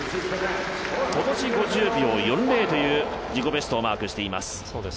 今年５０秒４０という自己ベストをマークしています。